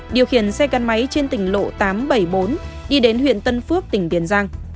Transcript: điều khiển xe gắn máy trên tỉnh lộ tám trăm bảy mươi bốn đi đến huyện tân phước tỉnh tiền giang